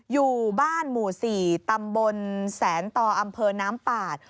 อยู่บ้านหมู่๔ตำบลแสนต่ออำเภอน้ำปาด